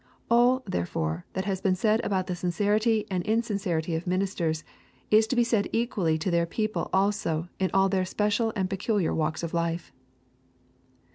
All, therefore, that has been said about the sincerity and insincerity of ministers is to be said equally of their people also in all their special and peculiar walks of life.